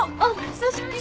久しぶり！